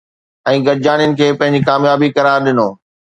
۽ گڏجاڻين کي پنهنجي ڪاميابي قرار ڏنو